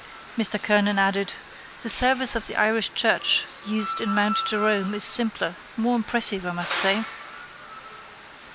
Mr Kernan added: —The service of the Irish church used in Mount Jerome is simpler, more impressive I must say.